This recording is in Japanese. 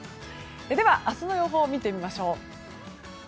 では、明日の予報を見てみましょう。